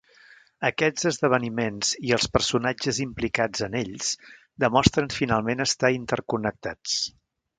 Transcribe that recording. Aquests esdeveniments i els personatges implicats en ells demostren finalment estar interconnectats.